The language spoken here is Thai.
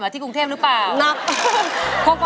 สวัสดีครับคุณหน่อย